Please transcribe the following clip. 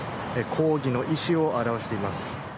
抗議の意思を表しています。